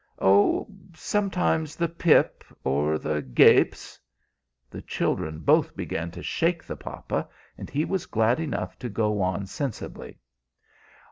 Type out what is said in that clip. "Oh, sometimes the pip, or the gapes " The children both began to shake the papa, and he was glad enough to go on sensibly.